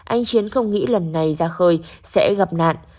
anh chiến không nghĩ lần này ra khơi sẽ gặp nạn